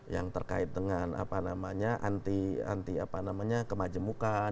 yang terkait dengan apa namanya anti apa namanya kemajemukan